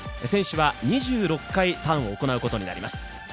選手は２６回ターンを行うことになります。